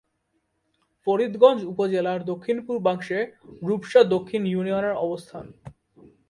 ফরিদগঞ্জ উপজেলার দক্ষিণ-পূর্বাংশে রূপসা দক্ষিণ ইউনিয়নের অবস্থান।